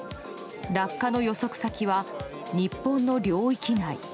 落下の予測先は日本の領域内。